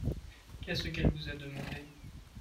Qu’est-ce qu’elle vous a demandé ?